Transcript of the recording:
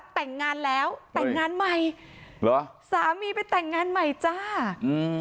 แต่งงานแล้วแต่งงานใหม่เหรอสามีไปแต่งงานใหม่จ้าอืม